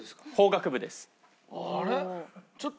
あれ？